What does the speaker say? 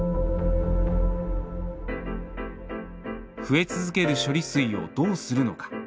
増え続ける処理水をどうするのか。